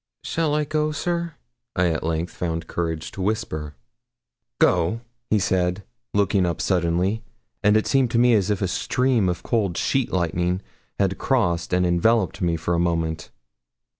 'Shall I go, sir?' I at length found courage to whisper. 'Go?' he said, looking up suddenly; and it seemed to me as if a stream of cold sheet lightning had crossed and enveloped me for a moment.